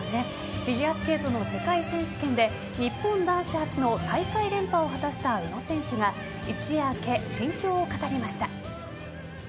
フィギュアスケートの世界選手権で日本男子初の大会連覇を果たした宇野選手が一夜明け、心境を語りました。